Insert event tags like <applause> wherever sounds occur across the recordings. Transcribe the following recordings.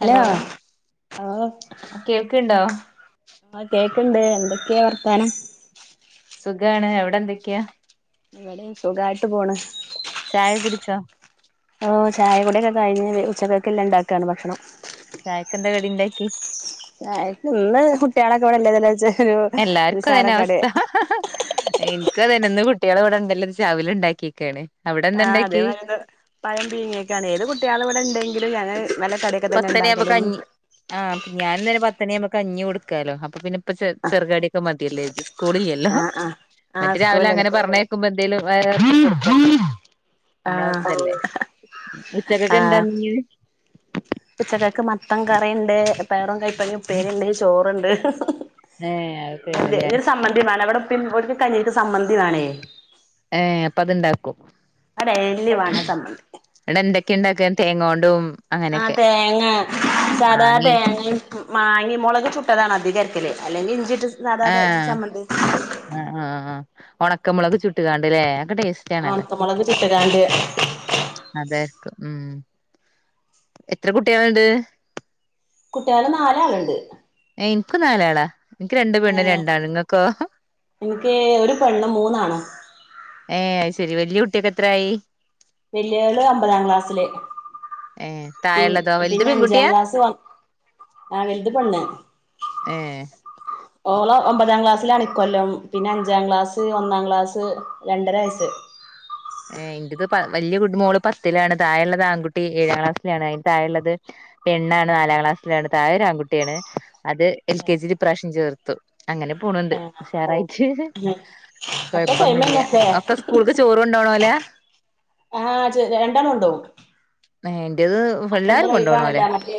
Hello കേൾക്ക്ണ്ടോ ആ കേക്കണ്ട് എന്തൊക്കെയാ വർത്താനം? സുഖാണ് എവിടെ എന്തൊക്കെയാ? ഇവടെയും സുഖായിട്ട് പോണ് ചായ കുടിച്ചോ? ഓ ചായ കൂടിയൊക്കെ കഴിഞ്ഞ് ഉച്ചക്കൊക്കെല്ല ഉണ്ടാക്കാണ് ഭക്ഷണം ചായെക്കെന്താ കടി ഇണ്ടാക്കി? ചായക്ക് ഇന്ന് കുട്ടികളൊക്കെ ഇവിടെ ഇല്ലതല്ലെ വെച്ച് എല്ലാർക്കും അതന്നെ അവസ്ഥ എനിക്കു അതന്നെ ഇന്ന് കുട്ടികള് ഇവിടെ ഉണ്ടല്ലൊ വെച്ച് അവില് ഉണ്ടാക്കിക്കാണ് അവിടെ എന്ത് ആഹ് അതേ ഇണ്ടാക്കി? മാതിരി പഴം പീഴ്ങ്ങിയേക്കാണെ ഏത് കുട്ട്യാള് ഇവിടെ ഉണ്ടെങ്കിലും ഞങ്ങൾ നല്ല കട പത്തര ആവുമ്പൊ കഞ്ഞി ആ ഞാൻ ഇന്നലെ പത്തണി ആവുമ്പ കഞ്ഞി കൊടുക്കാലോ അപ്പൊ പിന്നെ ഇപ്പ ചെ ചെറുകടിയൊക്കെ മതിയല്ലേ ഇത് സ്കൂളിലല്ലോ ആഹ് ആഹ് ആഹ് മറ്റെ രാവിലെ സ്കൂളിലല്ലേ അങ്ങനെ പറഞ്ഞെ ക്കുമ്പ എന്തേലും അങ്ങനെ നമ്മളെ ആഹ് ഇതല്ലേ ഉച്ചക്കൊക്കെ എന്താ ഇനീ ഉച്ചക്കത്തക്ക് മത്തൻ കറീണ്ട് പയറും കൈപ്പങ്ങേം ഉപ്പേരിണ്ട് ചോറുണ്ട് ഏഹ് അതൊക്കെയാണല്ലേ ഒരു സമ്മന്തി വേണം ഇവിടെ ഉപ്പ ഓൽക്ക് കഞ്ഞിക്ക് സമ്മന്തി വേണേ ഏഹ് അപ്പൊ അത്ണ്ടാക്കും അത് ഡെയിലി വേണം ചമ്മന്തി ഇടെ എന്തൊക്കെയ ഇണ്ടാക്കാ തേങ്ങോണ്ടും ആഹ് അങ്ങനെയൊക്കെ തേങ്ങ സാദാ മാങ്ങി തേങ്ങയും മാങ്ങയേം മൊളക് ചുട്ടതാണ് അധികരക്കല് അല്ലെങ്കിൽ ഇഞ്ചിട്ട് സാദാതെ ആഹ് ചമ്മന്തി ആഹ് ആ ആ ഉണക്ക മുളക് ചുട്ടുങ്ങാണ്ട്ല്ലേ ഒക്കെ ടേസ്റ്റ് ആണല്ലോ ഒണക്ക മൊളക് ചുട്ട്ക്കാണ്ട് അതായിര്ക്കും ഉം എത്ര കുട്ട്യേള്ണ്ട് കുട്ട്യേള് നാലാള്ണ്ട് ഏഹ് ഇൻക്കും നാലാളാ ഇന്ക്ക് രണ്ട് പെണ്ണ് ഏ രണ്ടാണ് ഇങ്ങക്കോ? എനിക്ക് ഒരു പെണ്ണും മൂന്നാണും ഏഹ് അത് ശരി വല്യ കുട്ട്യേക്ക് എത്രായി വെല്ല്യോള് ഒമ്പതാം ക്ലാസ്സില് ഏഹ് പിൻ താഴെള്ളതോ വലുത് പിന്നെ അഞ്ചാം പെൺകുട്ടിയാ ക്ലാസ്സ് വ ആഹ് വെല്ത് പെണ്ണ് ഏഹ് ഓള് ഒമ്പതാം ക്ലാസ്സിലാണ് ഇക്കൊല്ലം പിന്നെ അഞ്ചാം ക്ലാസ് ഒന്നാം ക്ലാസ് രണ്ടര വയസ്സ് ഏഹ് ഇന്റെത് പ വല്യ മോള് പത്തിലാണ് താഴെള്ളത് ആൺകുട്ടി ഏഴാം ക്ലാസ്സിലാണ് അതിന്റെ താഴെള്ളത് പെണ്ണാണ് നാലാം ക്ലാസ്സിലാണ് താഴെ ഒരു ആൺ കുട്ട്യാണ് അത് എൽകെജില് ഇപ്രാശ്യം ചേർത്തും അങ്ങനെ പോന്ന്ണ്ട് ആ ഉഷാറായിട്ട് ഒക്കെ സെയിം കൊഴപ്പൊന്നുല്ല്യ തന്നെല്ലേ ഒക്കെ സ്കൂള്ക്ക് ചോറ് കൊണ്ടോണോ ആഹ് ചെ രണ്ടാള് കൊണ്ടോവും ഏഹ് ഇന്റെത് അപ്പൊ എല്ലാരും ഇന്നലെ കൊണ്ടോണോലാ ഒഴിവാണല്ലോ മറ്റേ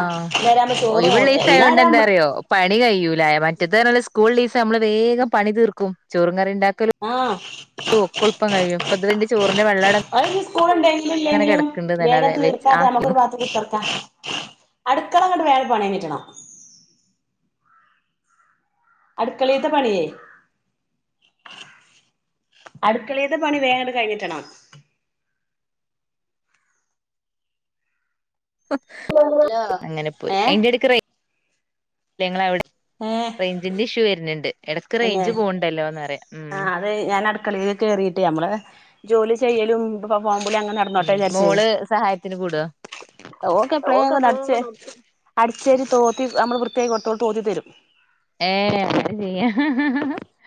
ആഹ് ഇന്നേരാവുമ്പോ ഒഴിവ്ള്ള ചോറും ദിസായോണ്ട് ഇന്നാരാവുമ്പോ എന്താറ്യോ പണി കയ്യൂല മറ്റത് പറഞ്ഞാല് സ്കൂള് ഇള്ളീസം നമ്മള് വേഗം പണി തീർക്കും ചോറും കറിം ഇണ്ടാക്കലും ആഹ് <unintelligible> കഴിയും പത്ത് മിനിറ്റ് ചോറിന്റെ വെള്ളം അവടെ അത്ഞ്ഞ് സ്കൂള്ണ്ടെങ്കിലും ഇല്ലെങ്കിലും വേഗം വെച്ച് തീർത്താണ്ട് ആക്കിന്നു നമുക്കൊരു ഭാത്ത് കുത്തർക്കാം അട്ക്കള ഇങ്ങട്ട് വേഗം പണി കയിഞ്ഞ്ട്ടണം അട്ക്കളീത്തെ പണിയേ അട്ക്കളീത്തെ പണി വേം ഇങ്ങട്ട് കഴിഞ്ഞ് കിട്ടണം ഹലോ അങ്ങനെ പോയി ഏഹ് അയ്ന്റെടക്ക് റേയ് <inaudible> ഇങ്ങളെ അവിടെ ഏഹ് റേഞ്ചിന്റെ ഇഷ്യൂ വര്ന്ണ്ട് എടക്ക് തന്നെ റേഞ്ച് പോവ്ണ്ടല്ലോന്ന് പറയ ഉം ആഹ് അത് ഞാൻ അട്ക്കളേല് കേറീട്ടെ നമ്മള് ജോലി ചെയ്യലും ഫോം വിലിം അങ്ങനെ ന ടന്നോട്ടെ ഉം വിചാരിച്ചേ മോള് സഹായത്തിന് കൂടോ ഓക്ക് എപ്പളേക്കൊന്ന് അടിച്ചേ അടിച്ചേരി തോത്തി നമ്മള് വൃത്തിയാക്കി കൊട്ത്താ ഓള് തോത്തി തരും ഏഹ് അങ്ങനെ ചെയ്യാ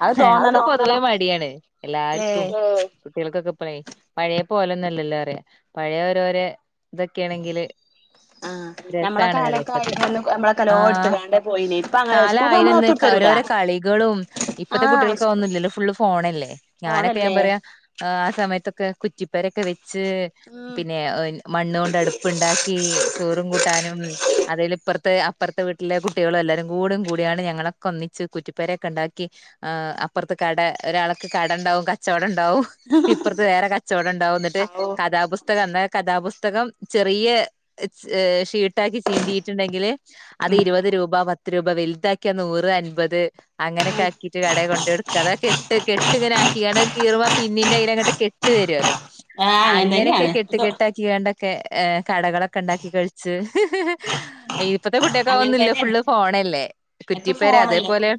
അത് അതൊക്കെ തോന്നണം പൊതുവെ മടിയാണ് എല്ലാർക്കും ഏഹ് കുട്ട്യേള്ക്കൊക്കെ ഇപ്പളെ പഴയെ പോലൊന്നും അല്ലല്ലോ പറയാ പഴയ ഒരോരോ ഇതൊക്കാണെങ്കില് ആഹ് ഞമ്മളെ രസാണ് പറയാ കാലൊക്കെ ഇപ്പക്കെ അയിനന്ന് നമ്മളെ കലോ ആഹ് എടുത്തുകാണ്ട് പോയിനി ഇപ്പ അങ്ങനെ സ്കൂൾക്ക് നമ്മള് ഞാമ്മളായിനന്ന് ഒത്തുടുത്തരൂല ഓരോരോ കളികളും ഇപ്പത്തെ ആഹ് കുട്ടികൾക്ക് സ്കൂ അതൊന്നുല്ലല്ലോ ഫുള്ള് ഫോണല്ലേ ഞാനൊക്കെ ഞാൻ ഫോണല്ലേ പറയാ ആ സമയത്തൊക്കെ കുറ്റിപ്പെരെക്കെ വെച്ച് ഉം പിന്നെ ഒ മണ്ണോണ്ട് അട്പ്പ്ണ്ടാക്കി ചോറും കൂട്ടാനും അതില് ഇപ്പറ ത്ത് അപ്പറത്തെ വീട്ടിലെ കുട്ടികളും എല്ലാരും കൂടിം കൂടിയാണ്ട് ഞങ്ങളൊക്ക ഒന്നിച്ച് കുറ്റിപ്പേരെയൊക്കെ ഇണ്ടാക്കി ആ അപ്പറത്ത് കട ഒരാൾക്ക് കടണ്ടാവും കച്ചോടണ്ടാവും ഇപ്പറ് ത്ത് വേറെ കച്ചോടം ഇണ്ടാവും ഇന്നെട്ട് ഔ കഥാപുസ്തകം അന്നാ കഥാപുസ്തകം ചെറിയ ഷീട്ടാക്കി ചീന്തീട്ട്ണ്ടെങ്കില് അത് ഇരുപത് രൂപ പത്ത് രൂപ വല്താക്കിയാ നൂറ് അൻപത് അങ്ങനെക്കെ ആക്കീട്ട് കടേ കൊണ്ടോട് <unintelligible> അതാ കെട്ട് കെട്ട് ഇങ്ങനെ ആക്കിക്കാണ്ട് അത് കീറ്മ്പോ പിന്നീന്റെ അയ്ലങ്ങെട്ട് കെട്ട് വെരോലൊ ആഹ് അങ്ങനെ അങ്ങനെയൊക്കെ തന്നെയാണ് കെട്ട്കെട്ടാക്കി ണ്ടൊക്കെ ഏ കടകളൊക്കെ ഇണ്ടാക്കി കഴിച്ച് ഇപ്പത്തെ കുട്ടിയെക്കൊക്കെ അങ്ങനെ അതന്നുല്ല തന്നെയാണ് ഫുള്ള് ഫോണല്ലേ ഇപ്പൊ കുറ്റിപ്പേരെ ഫോണല്ലേ അതേപോലെ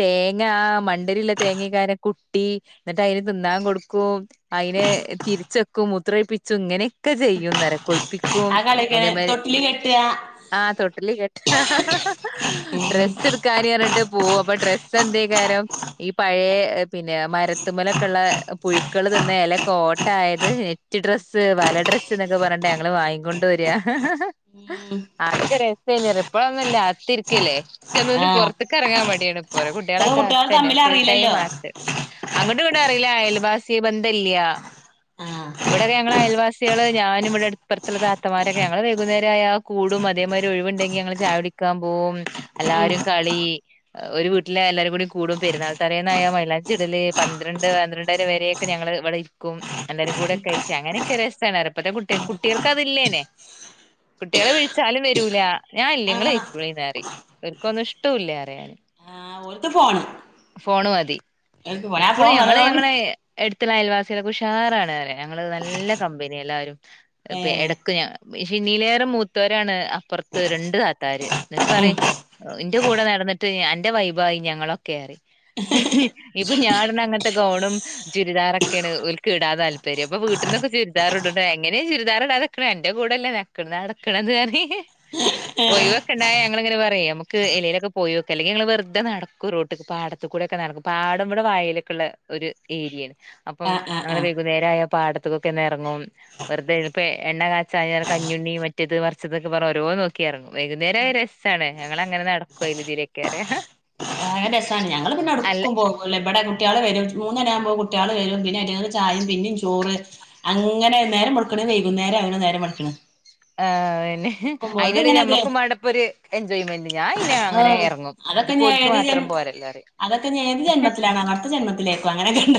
തേങ്ങ ആ മണ്ടരിയുള്ള തേങ്ങെക്കാരം കുട്ടി എന്നിട്ട് അതിന് തിന്നാൻ കൊടുക്കും അതിനെ തിരിച്ചെക്കും മൂത്രയിപ്പിച്ചും ഇങ്ങനെ ഒക്കെ ചെയ്യുന്ന നേര കുഴിപ്പിക്കും ആ കളിയൊക്കെ അതേമാരി തൊട്ടില് കെട്ടുക ആഹ് തൊട്ടിലി കെട്ട ഡ്രസ്സ് എടുക്കാൻ പറഞ്ഞിട്ട് പോകും അപ്പൊ ഡ്രസ്സ് എന്തെക്കാരം ഈ പഴയ പിന്നെ മരത്തുമലൊക്കെള്ള പുഴുക്കള് തിന്ന ഇലക്കെ ഓട്ട ആയത് കുറ്റി ഡ്രസ്സ് വല ഡ്രസ്സ് എന്നൊക്കെ പറഞ്ട്ടാ ഞങ്ങൾ വാങ്ങിക്കൊണ്ട് വരിക ഉം ആക്ക രസേനി ഇപ്പഴന്നല്ല അകത്തിരിക്കല്ലെ ഒറ്റെന്നിന്നും ആഹ് പുറത്ത്ക്ക് ഇറങ്ങാൻ മടിയാണ് ഓര ഇപ്പത്തെ കുട്ടികളൊക്കെ കുട്ടികൾ അകത്തന്നെ തമ്മിൽ ഫുൾ ടൈം അറിയില്ലല്ലോ വാട്ട്സ് അങ്ങോട്ട് ഇട അറിയില്ല അയൽവാസി ബന്ധ ഇല്ല ആഹ് ഇവിടെക്കെ ഞങ്ങള അയൽവാസികള് ഞാനും ഇവിടെ ഇപ്പറത്തുള്ള താത്തമാരൊക്കെ ഞങ്ങള് വൈകുന്നേര ആയാൽ കൂടും അതേമാതിരി ഒഴിവുണ്ടെങ്കി ഞങ്ങൾ ചായ കുടിക്കാൻ പോകും ഉം എല്ലാരും കളി ഒരു വീട്ടിലെ എല്ലാരും കൂടി കൂടും പെരുന്നാൾ തലേന്നായ മൈലാഞ്ചിടല് പന്ത്രണ്ട് പന്ത്രണ്ടര വരെ ഒക്കെ ഞങ്ങള് ഇവിടെ ഇരിക്കും എല്ലാരും കൂടെക്കയിറ്റ് അങ്ങനൊക്കെ രസമാണ് അപ്പഴത്തെ കുട്ട കുട്ടികൾക്ക് അതില്ലേനെ കുട്ടികളെ വിളിച്ചാലും വരൂല ഞാൻ ഇല്ല ഇങ്ങള് ആഹ് പെയ്ക്കോളിന്ന് പറയും ഇവര്ക്കൊന്നും ഇഷ്ടുല്ല അറിയാന് പുറത്ത് പോണം ഫോണ് മതി എപ്പോഴും ഫോൺ ഞങ്ങള് വന്നതോട് ഞങ്ങളെ എടുത്തുള്ള അയൽവാസുടെ ഉഷാറാണ് അരെ ഞങ്ങള് നല്ല കമ്പനി എല്ലാവരും ഇപ്പ ഏഹ് ഇടക്ക് ഞ ഹിണീലേറെ മൂത്തോരാണ് അപ്പുറത്ത് രണ്ട് താത്താര് എന്നിട്ട് പറയും ഇന്റെ കൂടെ നടന്നിട്ട് എന്റെ വൈബായി ഞങ്ങളൊക്കെറി ഇപ്പൊ ഞാട്ന്ന അങ്ങനത്തെ ഗൗണും ചുരിദാറക്കാണ് ഒ ഒൽക്ക് ഇടാൻ താല്പര്യംപ്പൊ വീട്ടീന്നൊക്കെ ചുരിദർ ഇടും എങ്ങനെ ചുരിദാറിടാതെ നിക്ക എന്റെ കൂടെല്ലേ നക്ക നടക്ക്ണത് പറയും ഒയ് വ് ഒക്കെ ഇണ്ടായ ഞങ്ങള് ഇങ്ങനെ പറയും നമുക്ക് എലയിലൊക്കെ പോയി നോക്ക അല്ലെങ്കി ഞങ്ങള് വെറുതെ നടക്കും റോഡ് പാടത്ത് കൂടെ ഒക്കെ നടക്കും പാടം ഇവിടെ വായലൊക്കെയുള്ള ഒരു ഏരിയാണ് അപ്പം ആഹ് ആഹ് ഞങ്ങൾ ആഹ് വെകുന്നേരമായാ പാടത്ത്ക്കൊക്കെന്ന് ഇറങ്ങും വെറുതെ ഇപ്പോ എണ്ണ കാച്ചായ കഞ്ഞുണ്ണി മറ്റത് മറിച്ചതൊക്കെ പറഞ്ഞ് ഓരോന്ന് നോക്കി ഇറങ്ങും വൈകുന്നേരം ആയാ രസാ സണ് ഞങ്ങൾ അങ്ങനെ നടക്കും അയ്‌ലിം ഇതിലിക്കൊ ന്ന് പറയാ ഭയങ്കര രസമാണ് ഞങ്ങള് പിന്നെ അല്ല ഒടുക്കും പോകൂല ഇവിടെ കുട്ടികള് വരും മൂന്ന് മണി ആകുമ്പോ കുട്ടികള് വരും പിന്നെ അ ചായും പിന്നും ചോറ് അങ്ങനെ നേരം വെള്ക്ക്ണ് വൈകുന്നേരം ആക്ണ് നേരം വെള്ക്ക്ണ് ആഹ് പിന്നെ വെളുക്കുമ്പോ അയിന്റെ ഇതിങ്ങനെ ഒരു ടെല്ഞമ്മക്കും മാണ്ടെപ്പൊരു എൻജോയ്മെന്റ് ഞാൻ അയ്ന് അങ്ങനെ ആഹ് ഇറങ്ങും ഇത് അതൊക്കെ ഇപ്പം ഇഞ്ഞ് ഓൽക്ക് ഏത് മാത്രം ജന്മ പോരല്ലേ പറയ് അതൊക്കെ ഞ് ഏത് ജന്മതിലണാവോ അടുത്ത ജന്മത്തിലേക്കും അങ്ങനൊക്കെ ഉണ്ട്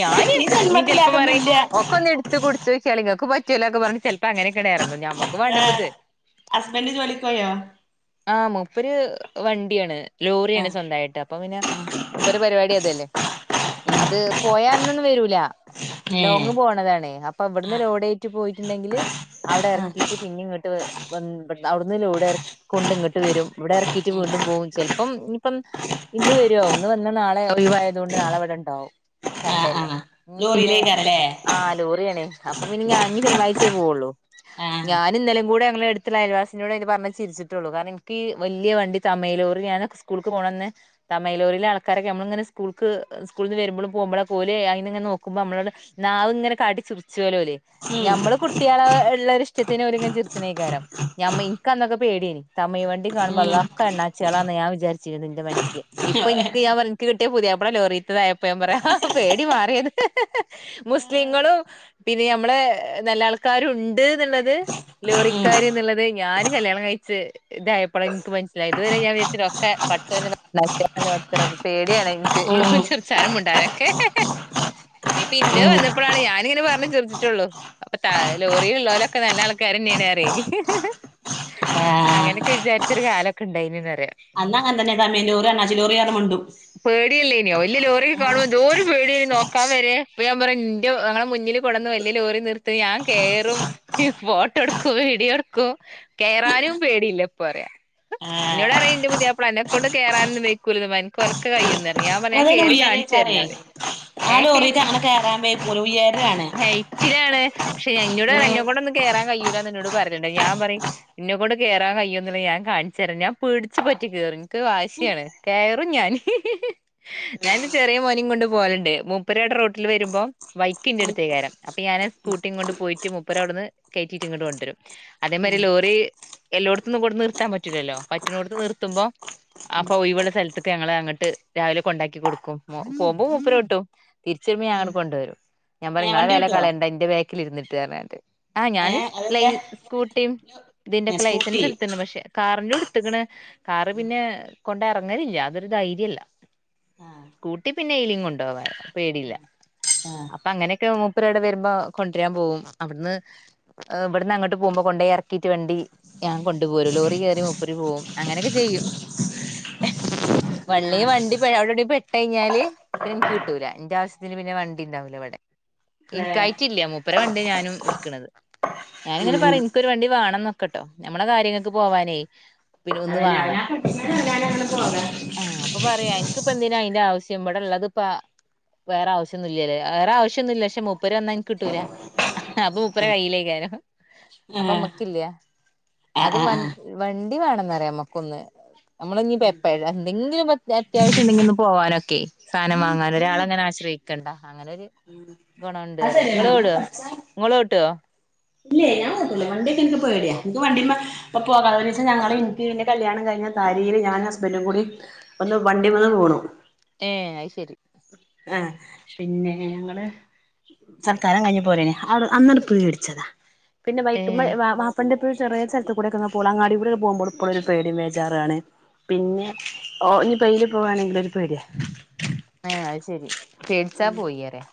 ഞാന് നീ ജന്മത്തില് ചിലപ്പോ അതൊന്നും പറയും ഇല്ല ഒക്കെ ഒന്ന് എടുത്ത് ഇത്ത് കുടിച്ച്ക്കാളി ഇങ്ങക്കും പറ്റൂലൊക്കെ പറഞ്ഞ് ചിലപ്പോ അങ്ങനെക്ക ഇറങ്ങും ഞമ്മ ഏഹ് ഹസ്ബൻഡ് ജോലിക്ക് യോ ആഹ് മുപ്പര് വണ്ടിയാണ് ലോറിയാണ് ആഹ് സ്വന്തമായിട്ട് അപ്പൊ പിന്നെ മൂപ്പരെ പരിപാടി അതല്ലേ അത് പോയാ എന്നൊന്നും വരൂല ഏഹ് ലോങ്ങ് പോണതാണേ അപ്പ ഇവടന്ന് ലോഡേറ്റി പോയിട്ടുണ്ടെങ്കില് അവടെ എറക്കിട്ട് പിന്നെ ഇങ്ങട്ട് വന്ന് അവടന്ന് ലോഡ് എർ കൊണ്ട് ഇങ്ങട്ട് വരും ഇവടെ എറക്കിട്ട് വീണ്ടും പോകും ചെല പ്പം ഇനിപ്പം ഇന്ന് വരു ഇന്ന് വന്ന നാളെ ഒഴിവായത് കൊണ്ട് നാളെ ഇവടണ്ടാവും. ആഹ് സണ്ടേയല്ലേ ആഹ് ഇനി പിന്നെ ലോറിയിലേക്കാരല്ലേ ആഹ് ലോറിയണേ അപ്പം ഇനി ഞാനിനി തിങ്കളാഴ്ചയേ പോവുള്ളൂ ആഹ് ഞാൻ ഇന്നലേം കൂടെ ഞങ്ങടെ അടുത്തുള്ള അൽവാസിനോട് ഇത് പറഞ്ഞ് ചിരിച്ചു അത്രോളു കാരണം എനിക്ക് വല്യ വണ്ടി തമയലോറി ഞാന സ്കൂള്ക്ക് പോണന്നെ തമയ്ലൊറീലേ ആൾക്കാരൊക്കെ ഞമ്മളിങ്ങന സ്കൂൾക്ക് സ്കൂൾന്ന് വരുമ്പോഴ പോകുമ്പോ ഓല് അയിങ്ങനെ നോക്കുമ്പോ നമ്മളട് നാവിങ്ങനെ കാട്ടി ചുറിച്ചോ ഓല് ഉം ഞമ്മള് കുട്ടികളെ ഇള്ളൊരു ഇഷ്ടത്തിന് ഓര്ങ്ങനെ ചീരിച്ചനീക്കാരം ഞാ ഇൻക്ക് അന്നൊക്കെ പേടിയനി തമിഴ് വണ്ടി കാണുമ്പോ ഉം അള്ളാ ഒക്കെ അണ്ണച്ചിളാന്ന് ഞാൻ വിചാരിച്ചിരുന്നു ഇന്റെ മനസ്സില് ഇപ്പ <unintelligible> പറഞ്ഞ് ഇനിക്ക് കിട്ടിയ പുതിയപ്പള ലോറിത്തതായപ്പോ ഞാൻ പറയാ പേടി മാറിയത് മുസ്ലിങ്ങളും പിന്നെ ഞമ്മളെ നല്ല ആൾക്കാരു ഉണ്ട് എന്നുള്ളത് ഉം ലോറിക്കാര് എന്നുള്ളത് ഞാന് കല്യാണം കഴിച്ച് ഇതായപ്പോഴ ഇനിക്ക് മനസ്സിലായത് ഇതുവരെ ഞാൻ <unintelligible> ഒക്കെ <unintelligible> പേടിയാണ് ഇൻക്ക് ഉം ചിറിച്ചാനും മിണ്ടാനൊക്കെ ഏഹ് പിന്റെ ഉം വന്നപ്പോഴാണ് ഞാനിങ്ങനെ പറഞ്ഞ് ചിറിച്ചിട്ടോള്ളൂ അപ്പ ത ലോറി ഇല്ലോരക്കെ നല്ല ആൾക്കാരന്നെയാണ് പറയ് ആഹ് അങ്ങനൊക്കെ വിചാരിച്ചൊരു കാലൊക്കെ ഇണ്ടായിന് പറയാം അന്ന് അങ്ങനെ തന്നെ തമിഴി ലോറി അണ്ണാച്ചിലോറിയാ <unintelligible> പേടിയല്ലേനിയോ വെല്യ ലോറിക്കൊ കാണുമ്പോ എന്തോരു പേടിയാ നോക്കാൻ വരെ ഞാൻ പറന്റെ ഞങ്ങളെ മുന്നില് പുടന്ന് വല്യ ലോറി നിർത്തും ഞാൻ കേറും ഫോട്ടോടുക്കും വീഡിയോടുക്കും കേറാനും പേടിയില്ല ഇപ്പ അറയാ ഇന്നോട് പറയും ഇന്റെ പുതിയപ്ല എന്നെക്കൊണ്ട് കേറാനോന്നും വെയ്ക്കൂലന്ന് കൊലക്ക് കയ്യൊന്ന് പറയും ഞാൻ പറഞ്ഞ് ഞാൻ അതയ്ന് കേറി ഉയരേക്കാരേ കാണിച്ചരുന്ന് പറയും ആ ലോറിക്ക് അങ്ങനെ കേറാൻ വയ്ക്കൂല ഉയരാണ് ഹൈറ്റിലാണ് പക്ഷെ <unintelligible> റയും ഉം എന്നെകൊണ്ടൊന്നും കേറാൻ കയ്യുല്ലന്ന് എന്നോട് പറയണ്ട് ഞാൻ പറയും ഇന്നെകൊണ്ട് കേറാൻ കയ്യോന്നില്ല ഞാൻ കാണിച്ചര ഞാൻ പിടിച്ചു പറ്റി കേറു എനിക്ക് വാശിയാണ് കേറും ഞാന് ഞാൻന്റെ ചെറിയ മോനികൊണ്ട് പോകലുണ്ട് മുപ്പരടെ റോട്ടില് വരുമ്പോ ബൈക്ക് ഇന്റെട്ത്ത് കാരം അപ്പ ഞാന് സ്കൂട്ടി കൊണ്ട് പോയിട്ട് മുപ്പര അവടുന്ന് കേറ്റിട്ട് ഇങ്ങട്ട് കൊണ്ടുവരും. അതേമാരി ഉം ലോറി എലോട്ത്തന്നും കൊടുത്ത് നിർത്താൻ പറ്റൂല്ലല്ലോ പറ്റുന്നോടുത്ത് നിർത്തുമ്പോ അപ്പോ ഒഴിവ്ള്ള സ്ഥലത്തക്ക് ഞങ്ങൾ അങ്ങട്ട് രാവിലെ കൊണ്ടാക്കി കൊടുക്കും പോകുമ്പോ മൂപ്പര് ഓട്ടും തിരിച്ച് വരുമ്പോ ഉം ഞാനങ്ങ് കൊണ്ടുവരും ഞാൻ പറയും ഏഹ് ഇങ്ങളെ വണ്ടി വെല ഓട്ടോ കളയണ്ടന്റെ ബാക്കിലിരുന്നിട്ട് പറഞ്ഞാട്ട് ആഹ് ഞാന് ഏഹ് അതല്ല ലൈ സ്കുട്ടിം ഏഹ് ഇതിന്റെക്കെ സ്കൂട്ടി ലൈസൻസ് ഇട്ത്ണ് പക്ഷെ കാറിന്റോടുത്ത്ക്കണ് കാറ് പിന്നെ കൊണ്ട് എറങ്ങലില്ല അതൊരു ധൈര്യല്ല ആഹ് സ്കൂട്ടി പിന്നെ എയിലേം കൊണ്ടുവാലൊ പേടില്ല ആഹ് അപ്പ അങ്ങനക്കെ മുപ്പരവടെ വരുമ്പോ കൊണ്ടരാൻ പോകും അവിടുന്ന് ഏഹ് ഇവടന്നങ്ങോട്ട് പോകുമ്പോ കൊണ്ടേയെറക്കി ട്ട് വണ്ടി ഞാൻ കൊണ്ടുപോരും ലോറി കേറി മൂപ്പര് പോകും അങ്ങനെയൊക്കെ ചെയ്യും വള്ളി ആഹ് വണ്ടി അവടെ എവടെ പെട്ടഴിഞ്ഞാല് പിന്നെ എനിക്ക് കിട്ടൂല എന്റെ ആവശ്യത്തിന് പിന്നെ വണ്ടിണ്ടാവില്ല ഇവടെ ഏഹ് ഇൻക്കായിട്ടില്ല മുപ്പര വണ്ടിയ ഞാനും ഇട്ക്കണത് ഞാനിങ്ങനെ ഉം പറയും ഇനിക്കൊരു വണ്ടി വാ ണംന്നോക്കട്ടോ ഞമ്മളെ കാര്യങ്ങക്ക് പോവാനേ പിന്നെ ഒന്ന് അതന്നെ വേണം അവനാൻ പഠിച്ചാല് അവനാനങ്ങനെ പോകാ ആഹ് അപ്പൊ പറയാ അന്ക്കിപ്പ എന്തിനാ അയിന്റെ ആവശ്യം ഇവ്ടെള്ളത് ഇപ്പാ വേറെ ആവശ്യൊന്നുല്ലലേ. വേറാവശ്യൊന്നുല്ല പക്ഷെ മുപ്പര് വന്നാ ഇൻകിട്ടൂല. അപ്പൊ മൂപ്പരെ കയ്യിലേയ്കാരം. ഏഹ്. ക്കില്ല. അത് വൺ വണ്ടി വേണംന്നറിയാ നമ്മക്കൊന്ന്. നമ്മളിഞ് ഇപ്പെപ്പഴാ എന്തെങ്കിലുംഒ അത്യാവശ്യംണ്ടെങ്കി ഒന്ന് പോവാനൊക്കെ. സാനം വാങ്ങാൻ ഒരാളെങ്ങനെ ആശ്രയിക്കണ്ട. അങ്ങനെ ഒരു ഗുണവുണ്ട് അത് പറയാ. ശരിയാണ് അവനാൻ ഇങ്ങളോടോ? പഠിച്ചാ ഇങ്ങളോട്ടോ? ഇല്ലേ ഞാ നോട്ടൂല്ല. വണ്ടിയൊക്കെ ഇൻക്ക് പേടിയാ. ഇൻക്ക് വണ്ടിമ്മേ ഇപ്പൊ പോകാനും. ഒരീസം ഞങ്ങള് ഇൻക്ക് ഇൻ്റെ കല്യാണം കഴിഞ്ഞ തലീല് ഞാനും ഹസ്ബൻഡും കൂടി ഒന്ന് വണ്ടിമന്ന് വീണു. ഏഹ് അയ്ശെരി. ആഹ് പിന്നെ ഞങ്ങള് സർക്കാരം കഴിഞ്ഞ് പോരേനി. അവ്ടെ അന്നാണ്ട് പേട്ച്ചതാ. പിന്നെ ഏ വൈക്ക്മെ വാ വാ പ്പൻ്റെപ്പെഴും ചെറിയ സ്ഥലത്ത് കൂടെക്കെങ്ങെ പോവൊള്ളൂ. അങ്ങാടികൂടെക്കെ പോകുമ്പളും ഇപ്പളും ഒരു പേടിം വേജാറും ആണ്. പിന്നെ ഓ ഇഞ്ഞിപ്പോ എയിലെ പോവാണെങ്കിലും ഒരു പേട്യാ. ഏഹ് അഹ്ശെരി പേടിച്ചാ പോയി പറയാ.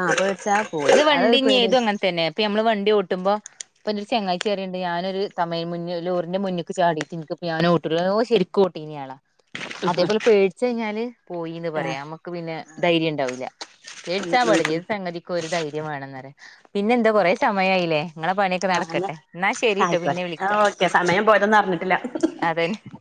ആഹ് പേട്ച്ചാ അത് വണ്ടി ഇനി ഏതും അങ്ങൻതന്നെ ഇപ്പ നമ്മള് വണ്ടി ഓട്ടുമ്പോ. ഇപ്പെൻ്റൊരു ചങ്ങായിച്ചി പറയ്‌ണ്ട് ഞാനൊരു തമിയം മുന്ന് ലോറിന്റെ മുന്ന്ക്ക് ചാടീറ്റ് ഇൻക് ഇപ്പൊ ഞാൻ ഓട്ടൂല നല്ലോം ശെരി ക്കോട്ടീന്യ ആളാ അതേപോലെ പേട്ച്ച് കഴിഞ്ഞാല്. പോയീന്ന് ആഹ് പറയാ. നമുക്ക് പിന്നെ ധൈര്യംണ്ടാവൂല്ല. ഉം പേട്ച്ചാൻ ഉം പാടില്ല ഉം ഏത് സംഗതി ക്കും ഒരു ധൈര്യം വേണംന്ന് പറയാ. പിന്നെന്താ കൊറെ സമയായില്ലേ. ഇങ്ങളെ പണിയൊക്കെ നടക്കട്ടെ എന്നാ ശരിട്ടോ ആയിക്കോട്ടെ പിന്നെ വിളിക്കാ. ഓക്കെ സമയം പോയതൊന്നും അറ്ഞ്ഞിട്ടില്ല. അതെന്ന്.